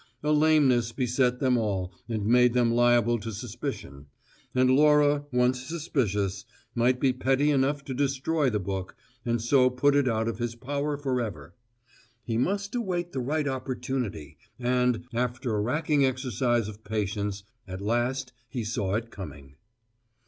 A lameness beset them all and made them liable to suspicion; and Laura, once suspicious, might be petty enough to destroy the book, and so put it out of his power forever. He must await the right opportunity, and, after a racking exercise of patience, at last he saw it coming.